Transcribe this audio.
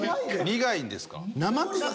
苦いんですか？